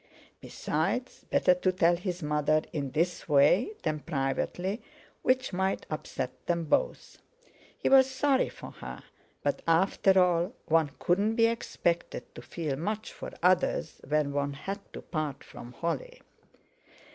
Besides, better to tell his mother in this way than privately, which might upset them both! He was sorry for her, but after all one couldn't be expected to feel much for others when one had to part from Holly.